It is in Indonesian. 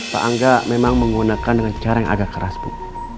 pak angga memang menggunakan dengan cara yang agak keras bu